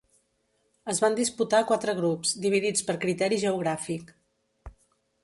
Es van disputar quatre grups, dividits per criteri geogràfic.